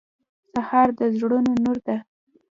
سهار د زړونو نور ده.